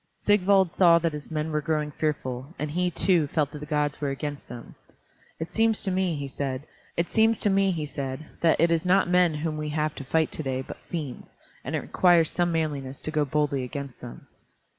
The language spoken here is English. Sigvald saw that his men were growing fearful, and he, too; felt that the gods were against them. "It seems to me," he said, "that it is not men whom we have to fight to day but fiends, and it requires some manliness to go boldly against them."